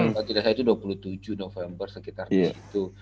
kalau tidak salah itu dua puluh tujuh november sekitarnya itu